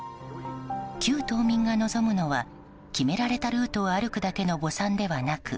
旧島民が望むのは決められたルートを歩くだけの墓参ではなく